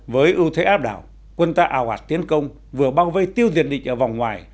với ưu thế áp đảo quân ta ào ạt tiến công vừa bao vây tiêu diệt địch ở vòng ngoài